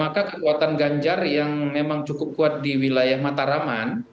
maka kekuatan ganjar yang memang cukup kuat di wilayah mataraman